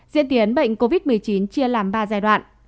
diễn tiến bệnh covid một mươi chín chia làm ba giai đoạn